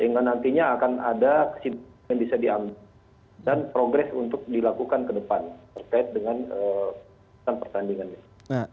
sehingga nantinya akan ada kesimpulan yang bisa diambil dan progres untuk dilakukan ke depan terkait dengan pertandingan ini